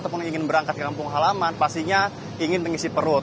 ataupun yang ingin berangkat ke kampung halaman pastinya ingin mengisi perut